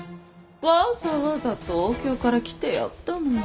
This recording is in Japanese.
わざわざ東京から来てやったのよ。